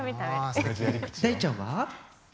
大ちゃんは？